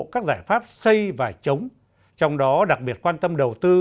các giải pháp xây và chống trong đó đặc biệt quan tâm đầu tư